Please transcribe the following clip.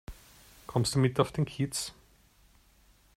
Kommst du mit auf den Kiez?